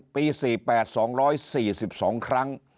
ปี๔๘๒๔๒ครั้ง